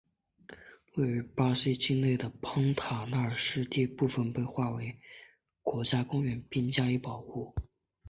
位于巴西境内的潘塔纳尔湿地部份被划为潘塔纳尔马托格罗索国家公国并加以保护。